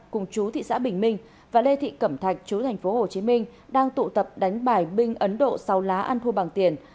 cùng chú thị xã bình minh và lê thị cẩm thạch chú thành phố hồ chí minh đang tụ tập đánh bài binh ấn độ sau lá ăn thua bằng tiền